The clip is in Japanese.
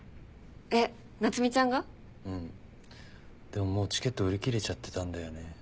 でももうチケット売り切れちゃってたんだよね。